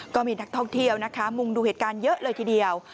ก็มีนักท่องเที่ยวนะคะมุงดูเหตุการณ์เยอะเลยทีเดียว